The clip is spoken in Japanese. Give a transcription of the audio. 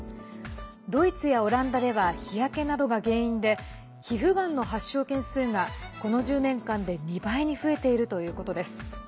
ドイツやオランダでは日焼けなどが原因で皮膚がんの発症件数がこの１０年間で２倍に増えているということです。